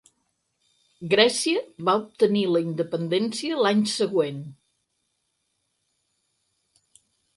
Grècia va obtenir la independència l'any següent.